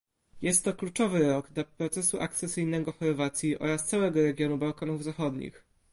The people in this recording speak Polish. Jest to kluczowy rok dla procesu akcesyjnego Chorwacji oraz całego regionu Bałkanów Zachodnich